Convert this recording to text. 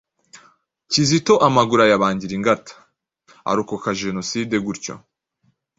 Kizito amaguru ayabangira ingata arokoka jenoside gutyo.